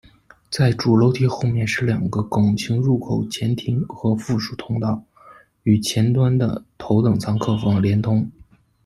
在主楼梯后面是两个拱形入口前庭和附属通道，与前段的头等舱客房连通。